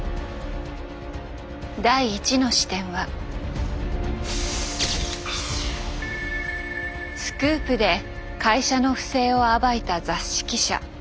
第１の視点はスクープで会社の不正を暴いた雑誌記者